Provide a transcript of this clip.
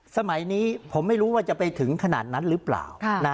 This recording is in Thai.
สมัยนี้ผมไม่รู้ว่าจะไปถึงขนาดนั้นหรือเปล่า